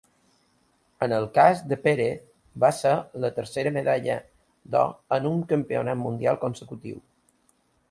En el cas de Pérez, va ser la tercera medalla d'or en un Campionat Mundial consecutiu.